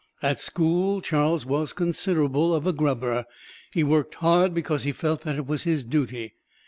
At school Charles was considerable of a grubber: he worked hard because he felt that it was his duty.